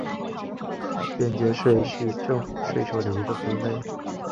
间接税是政府税收的一个分类。